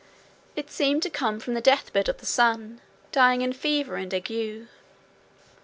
It seemed to come from the deathbed of the sun, dying in fever and ague.